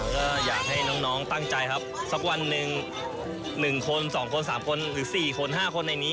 ก็อยากให้น้องตั้งใจครับสักวันหนึ่ง๑คน๒คน๓คนหรือ๔คน๕คนในนี้